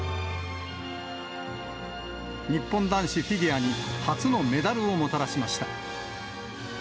日本男子フィギュアに初のメダルをもたらしました。